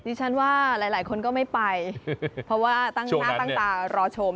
ฉันว่าหลายคนก็ไม่ไปเพราะว่าตั้งหน้าตั้งตารอชม